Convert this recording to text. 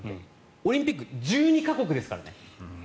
オリンピック１２か国ですからね。